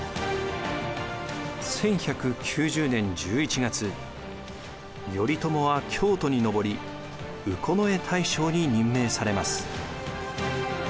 １１９０年１１月頼朝は京都に上り右近衛大将に任命されます。